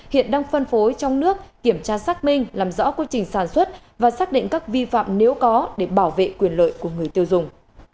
hiện đang phân phối trong nước kiểm tra xác minh làm rõ quy trình sản xuất và xác định các vi phạm nếu có để bảo vệ quyền lợi của người tiêu dùng